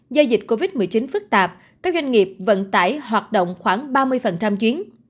do dịch covid một mươi chín phức tạp các doanh nghiệp vận tải hoạt động khoảng ba mươi chuyến